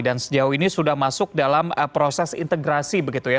sejauh ini sudah masuk dalam proses integrasi begitu ya